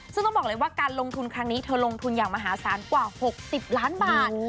ซึ่งต้องบอกเลยว่าการลงทุนครั้งนี้เธอลงทุนอย่างมหาศาลกว่า๖๐ล้านบาท